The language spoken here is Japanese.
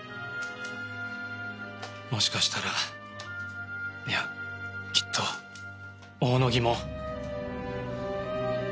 もしかしたらいやきっと大野木も。